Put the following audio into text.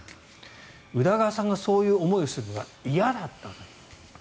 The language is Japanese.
宇田川さんがそういう思いをするのが嫌だった。